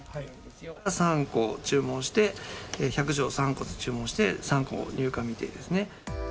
３個注文して、１００錠３個注文して、３個入荷未定ですね。